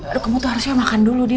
aduh kamu tuh harusnya makan dulu deh